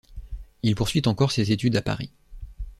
Il poursuit ensuite ses études à Paris.